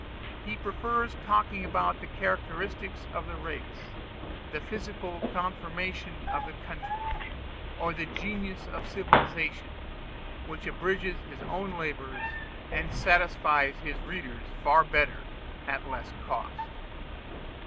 He prefers talking about the characteristics of race, the physical conformation of the country, or the genius of civilization, which abridges his own labors, and satisfies his reader far better at less cost.